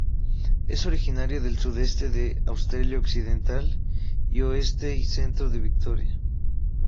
Es originaria del sudeste de Australia Occidental y oeste y centro de Victoria.